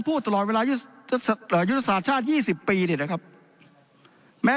พูดตลอดเวลายุทธศาสตร์ชาติ๒๐ปีเนี่ยนะครับแม้